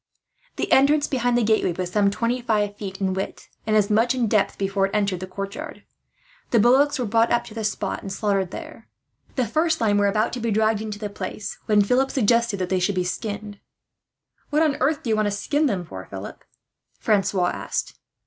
The entrance behind the gateway was some twenty five feet in width, and as much in depth, before it entered the courtyard. The bullocks were brought up to the spot, and slaughtered there. The first line were about to be dragged into place, when Philip suggested that they should be skinned. "What on earth do you want to skin them for, Philip?" Francois asked.